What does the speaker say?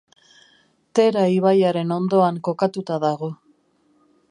Tera ibaiaren ondoan kokatuta dago.